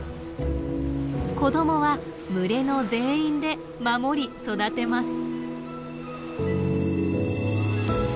子供は群れの全員で守り育てます。